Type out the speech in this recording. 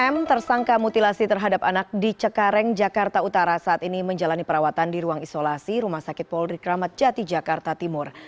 m tersangka mutilasi terhadap anak di cengkareng jakarta utara saat ini menjalani perawatan di ruang isolasi rumah sakit polri kramat jati jakarta timur